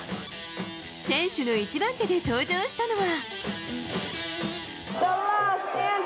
選手の１番手で登場したのは。